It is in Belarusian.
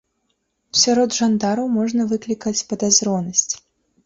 Сярод жандараў можна выклікаць падазронасць.